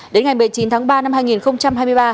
đến ngày một mươi chín tháng ba năm hai nghìn hai mươi ba